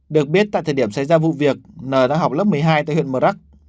được biết tại thời điểm xảy ra vụ việc nờ đã học lớp một mươi hai tại huyện mờ rắc